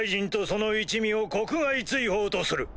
その一味を国外追放とする。